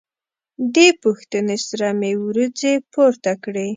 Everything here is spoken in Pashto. دې پوښتنې سره مې وروځې پورته کړې.